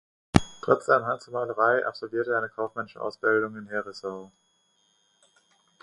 Trotz seinem Hang zur Malerei absolvierte er eine kaufmännische Ausbildung in Herisau.